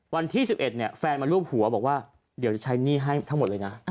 วันที่๑๑แฟนมารูปหัวบอกว่าเดี๋ยวจะใช้หนี้ให้ทั้งหมดเลยนะ